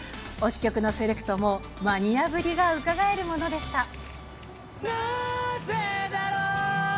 推し曲のセレクトも、マニアぶりがうかがえるものでした。